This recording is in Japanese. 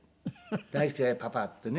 大好きだよパパ」ってね。